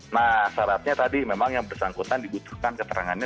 nah syaratnya tadi memang yang bersangkutan dibutuhkan keterangannya